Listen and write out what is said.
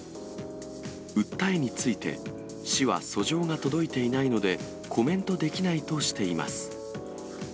訴えについて、市は訴状が届いていないので、コメントできないとしています。